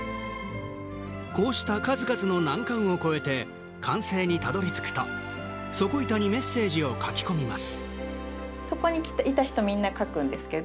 こうした数々の難関を越えて完成にたどりつくと底板にメッセージを書き込みます。